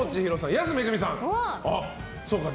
安めぐみさんです。